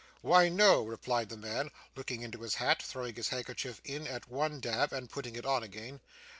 'Why no,' replied the man, looking into his hat, throwing his handkerchief in at one dab, and putting it on again.